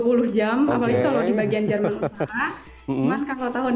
apalagi kalau di bagian jerman lupa